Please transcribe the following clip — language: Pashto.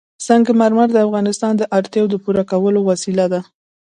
سنگ مرمر د افغانانو د اړتیاوو د پوره کولو وسیله ده.